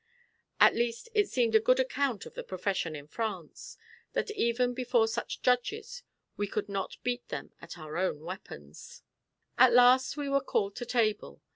At least it seemed a good account of the profession in France, that even before such judges we could not beat them at our own weapons. At last we were called to table.